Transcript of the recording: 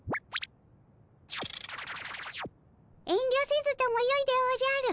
遠慮せずともよいでおじゃる。